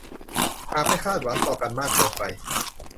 หากไม่คาดหวังต่อกันมากเกินไป